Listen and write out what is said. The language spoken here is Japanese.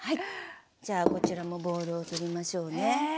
じゃあこちらもボウルを取りましょうね。